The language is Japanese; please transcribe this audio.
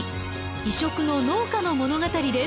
異色の農家の物語です。